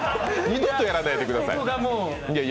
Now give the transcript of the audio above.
二度とやらないでください。